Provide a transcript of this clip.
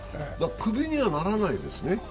クビにはならないですね？